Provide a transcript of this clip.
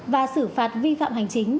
và xử phạt vi phạm hành chính